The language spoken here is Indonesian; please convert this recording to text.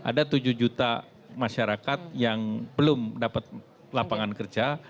ada tujuh juta masyarakat yang belum dapat lapangan kerja